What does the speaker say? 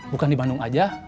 bukan di bandung aja